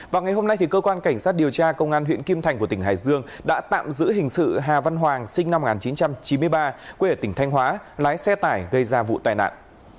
vào ngày hôm nay cơ quan cảnh sát điều tra công an huyện kim thành của tỉnh hải dương đã tạm giữ hình sự hà văn hoàng sinh năm một nghìn chín trăm chín mươi ba quê ở tỉnh thanh hóa lái xe tải gây ra vụ tai nạn